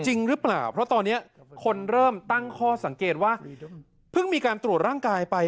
จริงหรือเปล่าเพราะตอนนี้คนเริ่มตั้งข้อสังเกตว่าเพิ่งมีการตรวจร่างกายไป